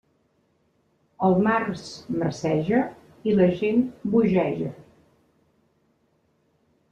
El març marceja i la gent bogeja.